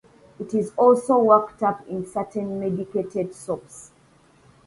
It is also worked up in certain medicated soaps.